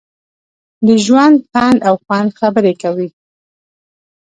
د ژوند، پند او خوند خبرې کوي.